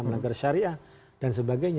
melanggar syariah dan sebagainya